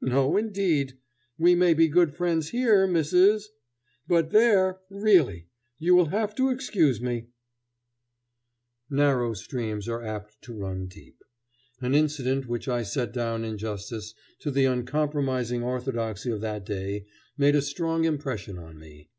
No, indeed! We may be good friends here, Mrs , but there really, you will have to excuse me." [Illustration: A Cobblestone paved Alley] Narrow streams are apt to run deep. An incident which I set down in justice to the uncompromising orthodoxy of that day, made a strong impression on me.